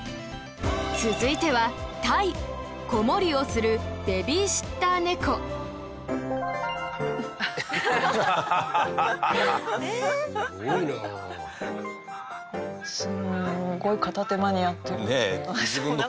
続いては、タイ子守をするベビーシッター猫いとう：すごいな。